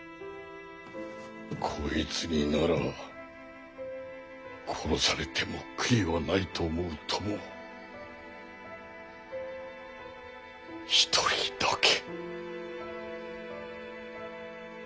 こいつになら殺されても悔いはないと思う友を一人だけ。